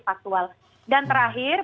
faktual dan terakhir